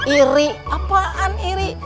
iri apaan iri